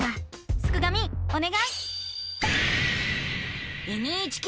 すくがミおねがい！